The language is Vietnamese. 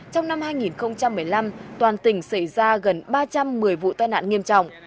trong năm hai nghìn một mươi năm toàn tỉnh xảy ra gần ba trăm một mươi vụ tai nạn nghiêm trọng